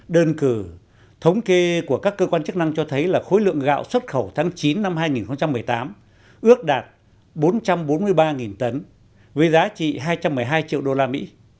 đơn cử thống kê của các cơ quan chức năng cho thấy là khối lượng gạo xuất khẩu tháng chín năm hai nghìn một mươi tám ước đạt bốn trăm bốn mươi ba tấn với giá trị hai trăm một mươi hai triệu đô la mỹ